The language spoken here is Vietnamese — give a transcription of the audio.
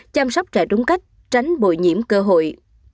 chăm sóc trẻ đúng cách tránh bồi nhiễm cơ hội